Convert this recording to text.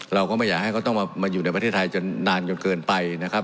เราก็ไม่อยากให้เขาต้องมาอยู่ในประเทศไทยจนนานจนเกินไปนะครับ